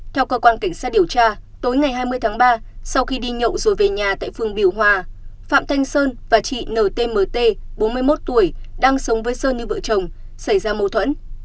theo cơ quan cảnh sát điều tra tối ngày hai mươi tháng ba sau khi đi nhậu rồi về nhà tại phường biểu hòa phạm thanh sơn và chị ntmt bốn mươi một tuổi đang sống với sơn như vợ chồng xảy ra mâu thuẫn